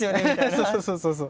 そうそうそうそうそう。